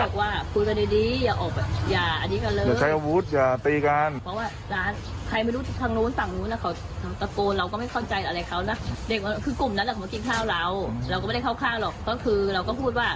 คนเยอะไหมบอกไม่เยอะพี่เดี๋ยวผมจะกลับแล้ว